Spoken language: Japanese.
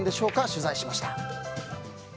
取材しました。